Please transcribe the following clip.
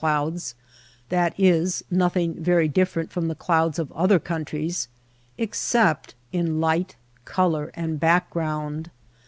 clouds — that is nothing very different from the clouds of other countries — except in light, color, and background.